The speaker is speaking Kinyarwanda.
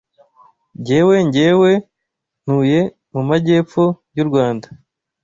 Gewe ngewe ntuye mu magepfo y’u Rwanda